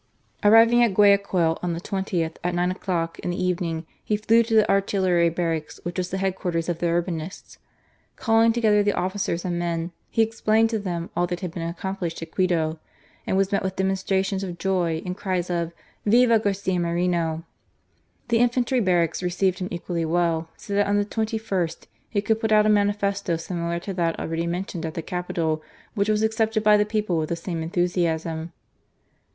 Arriving at Gnayd^m^ on the 20th at nine o'clock in the evening, he flew td the' artillery barracks, whidh was the head quarters it the Urbinist^. Csilling tc^ether the Officers alld men, he explained to them all that had beeh accom pished at Quito, and was met With demonstrations of joy and cries cft *^Viva Garcia Moreno!" The infentry barracks recdved him equally well, so that oh the 2ist he could put out a manifesto simiter to that already mentioned at the Capital, which was accepted by the people with the same enthusiasm.